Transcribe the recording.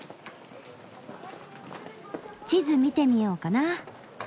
地図見てみようかな。